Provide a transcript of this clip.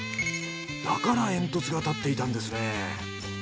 だから煙突が立っていたんですね。